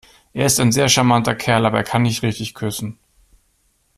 Er ist ein sehr charmanter Kerl, aber er kann nicht richtig küssen.